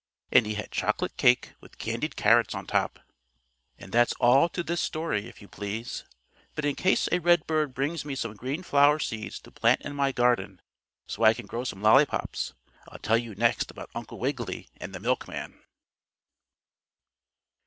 And he had chocolate cake with candied carrots on top. And that's all to this story, if you please, but in case a red bird brings me some green flower seeds to plant in my garden so I can grow some lollypops, I'll tell you next about Uncle Wiggily and the milkman.